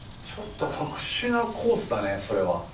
ちょっと特殊なコースだねそれは。